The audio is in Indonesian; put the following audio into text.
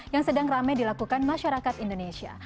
yang sedang rame dilakukan masyarakat indonesia